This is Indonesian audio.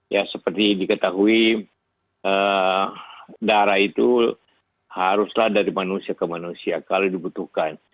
ya seperti diketahui darah itu haruslah dari manusia ke manusia kalau dibutuhkan